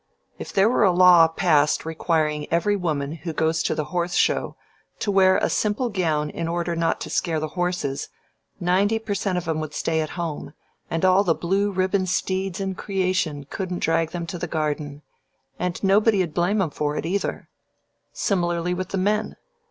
If there were a law passed requiring every woman who goes to the Horse Show to wear a simple gown in order not to scare the horses, ninety per cent. of 'em would stay at home, and all the blue ribbon steeds in creation couldn't drag them to the Garden and nobody'd blame them for it, either. Similarly with the men.